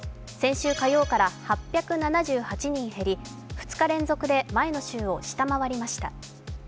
先週火曜から８７８人減り、２日連続で前の週を下回りました。